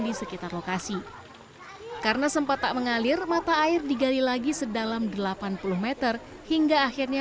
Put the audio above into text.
di sekitar lokasi karena sempat tak mengalir mata air digali lagi sedalam delapan puluh m hingga akhirnya